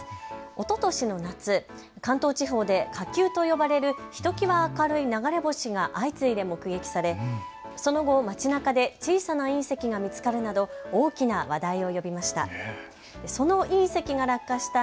おととしの夏、関東地方で火球と呼ばれるひときわ明るい流れ星が相次いで目撃され、その後、町なかで小さな隕石が見つかるなど大きな話題を呼びました。